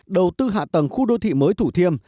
đầu tư hạ tầng khu đô thị mới thủ thiêm